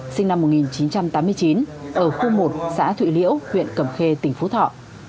sinh năm một nghìn chín trăm tám mươi chín ở khu một xã thụy liễu huyện cẩm khê tỉnh phú thọ